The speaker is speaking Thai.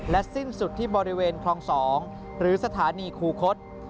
สิ้นสุดที่บริเวณคลอง๒หรือสถานีคูคศ